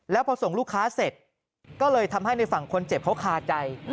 แล้วพอส่งลูกค้าเสร็จก็เลยทำให้ในฝั่งคนเจ็บเขาคาใจ